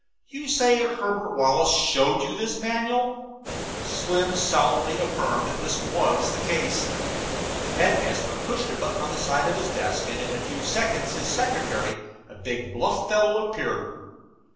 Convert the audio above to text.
"You say Herbert Wallace showed you this in a manual?" Slim solemnly affirmed that that was the case. The headmaster pushed a button on the side of his desk and in a few seconds his secretary, a big, bluff fellow, appeared.